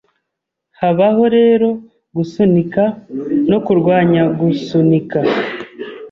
Habaho rero gusunika no kurwanyagusunika